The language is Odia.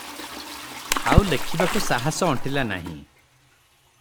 ଆଉ ଲେଖିବାକୁ ସାହାସ ଅଣ୍ଟିଲା ନାହିଁ ।